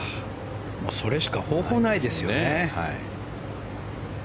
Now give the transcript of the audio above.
それしか方法ないですよね。